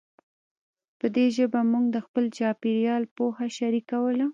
په دې ژبه موږ د خپل چاپېریال پوهه شریکوله.